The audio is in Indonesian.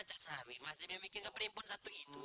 mas amin masih memikirkan perempuan satu itu